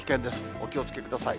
お気をつけください。